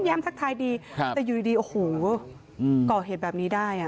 ก็แข็งยิ้มแย้มทะกายดีแต่อยู่ดีอ๋อโหก็เห็นแบบนี้ได้